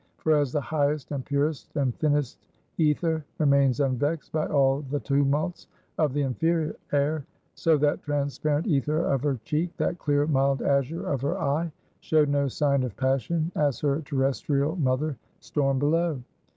For as the highest, and purest, and thinnest ether remains unvexed by all the tumults of the inferior air; so that transparent ether of her cheek, that clear mild azure of her eye, showed no sign of passion, as her terrestrial mother stormed below.